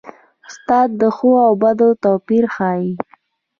استاد د ښو او بدو توپیر ښيي.